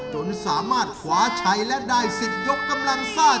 จนสามารถคว้าใช้และได้๑๐ยกกำลังซ่า